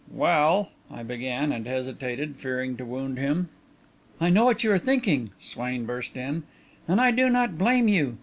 "Well," I began, and hesitated, fearing to wound him. "I know what you are thinking," Swain burst in, "and I do not blame you.